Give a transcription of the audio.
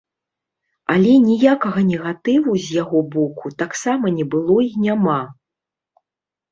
Але ніякага негатыву з яго боку таксама не было і няма.